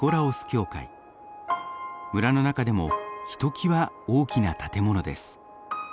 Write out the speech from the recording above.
村の中でもひときわ大きな建物です。